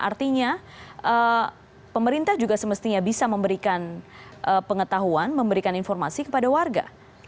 artinya pemerintah juga semestinya bisa memberikan pengetahuan memberikan informasi kepada warga